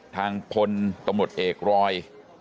ทางคนตมติเอกรอย